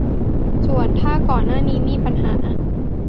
ส่วนถ้าก่อนหน้านี้มีปัญหา